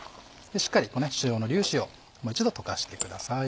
しっかり塩の粒子をもう一度溶かしてください。